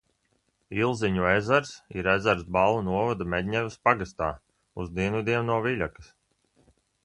Ilziņu ezers ir ezers Balvu novada Medņevas pagastā, uz dienvidiem no Viļakas.